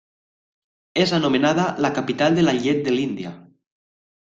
És anomenada la capital de la llet de l'Índia.